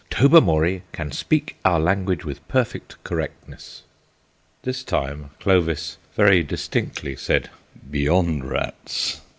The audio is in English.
Tobermory can speak our language with perfect correctness." This time Clovis very distinctly said, "Beyond rats!"